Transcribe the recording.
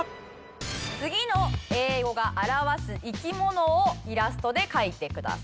次の英語が表す生き物をイラストで描いてください。